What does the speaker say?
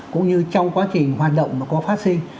cũng như trong quá trình hoạt động mà có phát sinh